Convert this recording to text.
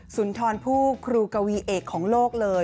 สุนทรผู้ครูกวีเอกของโลกเลย